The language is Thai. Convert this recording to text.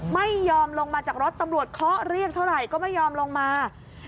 ไม่ยอมลงมาจากรถตำรวจเคาะเรียกเท่าไหร่ก็ไม่ยอมลงมา